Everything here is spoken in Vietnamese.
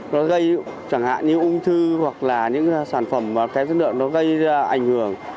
nó gây chẳng hạn như ung thư hoặc là những sản phẩm kép dân lượng nó gây ảnh hưởng